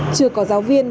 chưa có giáo viên